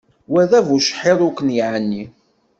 Wa d abucḥiḍ ur ken-neɛni.